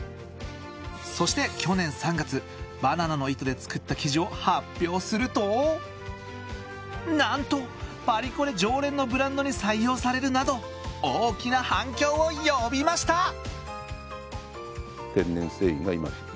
そして去年３月バナナの糸で作った生地を発表すると何とパリコレ常連のブランドに採用されるなど大きな反響を呼びました。